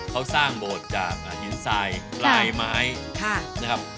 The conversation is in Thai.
เขาสร้างโบสถ์จากหินทรายปลายไม้นะครับ